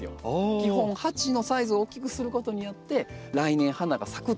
基本鉢のサイズを大きくすることによって来年花が咲くってなるので。